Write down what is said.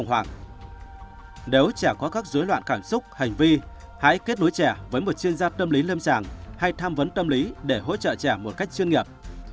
nếu trẻ có các dối loạn cảm xúc hành vi hãy kết nối trẻ với một chuyên gia tâm lý lâm sàng hay tham vấn tâm lý để hỗ trợ trẻ một cách chuyên nghiệp